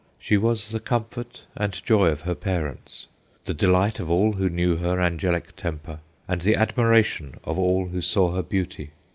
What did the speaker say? She was the comfort and joy of her parents, the delight of all who knew her angelick temper, and the admiration of all who saw her beauty.